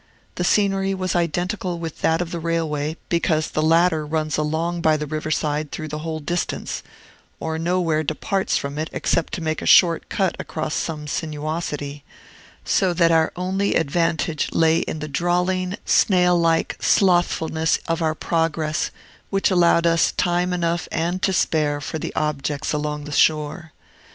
The scenery was identical with that of the railway, because the latter runs along by the river side through the whole distance, or nowhere departs from it except to make a short cut across some sinuosity; so that our only advantage lay in the drawling, snail like slothfulness of our progress, which allowed us time enough and to spare for the objects along the shore.